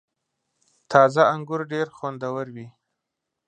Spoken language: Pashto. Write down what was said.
• تازه انګور ډېر خوندور وي.